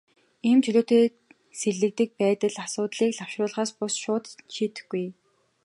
Ийм чөлөөтэй сэлгэдэг байдал асуудлыг лавшруулахаас бус, шууд шийдэхгүй.